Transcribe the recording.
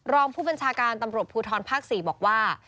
รองผู้บัญชาการตำรวจภูทรภาค๔บอกว่า